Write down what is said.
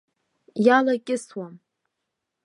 Иалакьысуам.